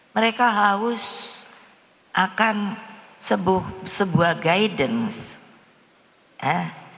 mereka harus akan sebuah guidance